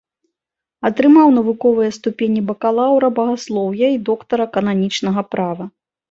Атрымаў навуковыя ступені бакалаўра багаслоўя і доктара кананічнага права.